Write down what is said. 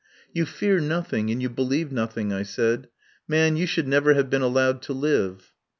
"You fear nothing and you believe noth ing, I said. "Man, you should never have been allowed to live."